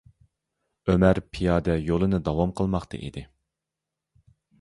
ئۆمەر پىيادە يولىنى داۋام قىلماقتا ئىدى.